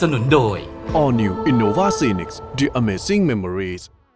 โปรดติดตามตอนต่อไป